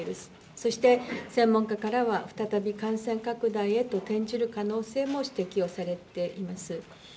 そして専門家からは、再び感染拡大へと転じる可能性も指摘をされています。